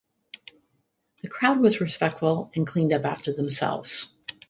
The crowd was respectful and cleaned up after themselves.